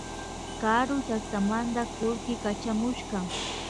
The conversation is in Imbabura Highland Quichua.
Karuy llaktamanta kullki kachamushka